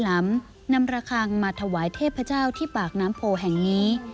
ลำนำระคังมาถวายเทพเจ้าที่ปากน้ำโพแห่งนี้